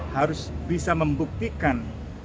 harus bisa membuktikan